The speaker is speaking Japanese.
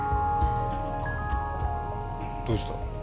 どうした？